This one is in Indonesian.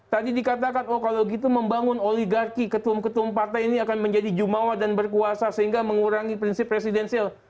tadi dikatakan oh kalau gitu membangun oligarki ketum ketum partai ini akan menjadi jumawa dan berkuasa sehingga mengurangi prinsip presidensial